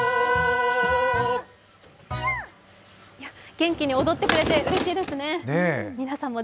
元気に踊ってくれてうれしいですね。